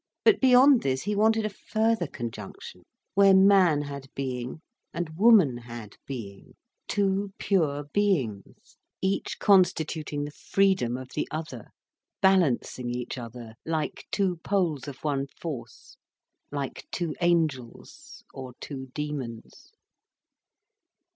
But beyond this, he wanted a further conjunction, where man had being and woman had being, two pure beings, each constituting the freedom of the other, balancing each other like two poles of one force, like two angels, or two demons.